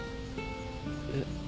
えっ？